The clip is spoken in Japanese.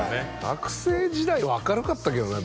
学生時代は明るかったけどな